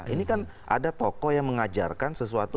ini kan ada tokoh yang mengajarkan sesuatu